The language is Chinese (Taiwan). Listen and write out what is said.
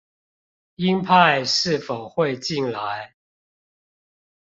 英派是否會進來